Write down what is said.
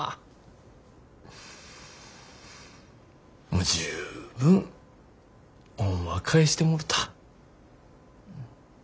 もう十分恩は返してもろた。